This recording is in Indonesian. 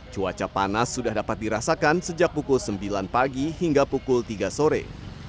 cuaca panas sudah dapat dirasakan sejak pukul sembilan pagi hingga pukul tiga sore